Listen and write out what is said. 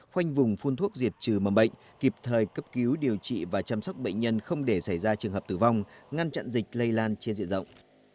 khoanh vùng phun thuốc diệt trừ mầm bệnh kịp thời cấp cứu điều trị và chăm sóc bệnh nhân không để xảy ra trường hợp tử vong ngăn chặn dịch lây lan trên diện rộng